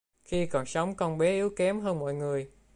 Khi còn sống con bé yếu kém hơn mọi người